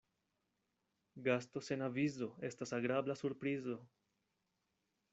Gasto sen avizo estas agrabla surprizo.